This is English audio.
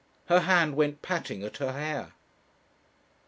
Her hand went patting at her hair.